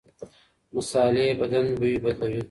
مصالحې بدن بوی بدلوي.